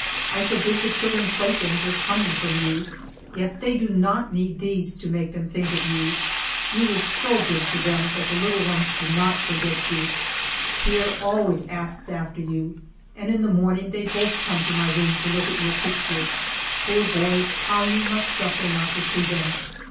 I shall give the children playthings as coming from you, yet they do not need these to make them think of you. You were so good to them that the little ones do not forget you. Pierre always asks after you, and in the morning they both come to my room to look at your picture. ... Poor boy, how you must suffer not to see them